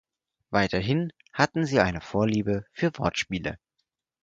Weiterhin hatten sie eine Vorliebe für Wortspiele.